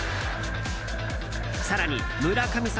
更に、村神様